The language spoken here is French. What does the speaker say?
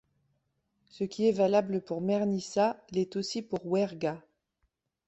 Ce qui est valable pour Mernissa l'est aussi pour Ouerhga.